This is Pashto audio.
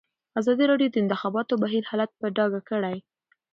ازادي راډیو د د انتخاباتو بهیر حالت په ډاګه کړی.